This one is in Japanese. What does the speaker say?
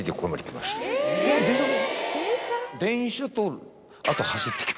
えっ電車で？